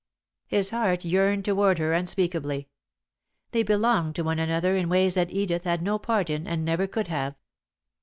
_" His heart yearned toward her unspeakably. They belonged to one another in ways that Edith had no part in and never could have.